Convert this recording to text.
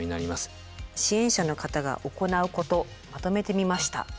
支援者の方が行うことまとめてみました。